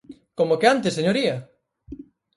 ¡Como que antes, señoría!